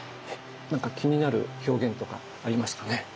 なんか気になる表現とかありますかね？